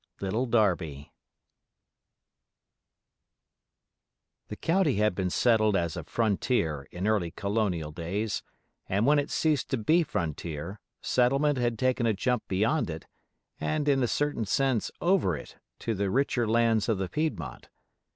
LITTLE DARBY I The County had been settled as a "frontier" in early colonial days, and when it ceased to be frontier, settlement had taken a jump beyond it, and in a certain sense over it, to the richer lands of the Piedmont.